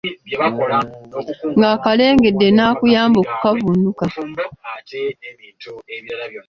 Ng’akalengedde n’akuyamba okukavvuunuka.